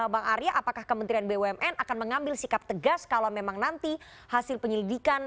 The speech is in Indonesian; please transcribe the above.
bang arya apakah kementerian bumn akan mengambil sikap tegas kalau memang nanti hasil penyelidikan